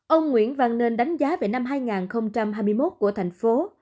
ông nguyễn văn nên đánh giá về năm hai nghìn hai mươi một của thành phố